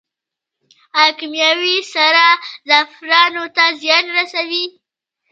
آیا کیمیاوي سره زعفرانو ته زیان رسوي؟